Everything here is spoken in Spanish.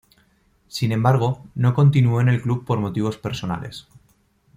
Sin embargo, no continuó en el club por motivos personales.